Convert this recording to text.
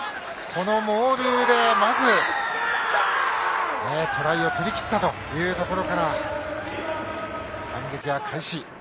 このモールでまずトライを取りきったというところから反撃が開始。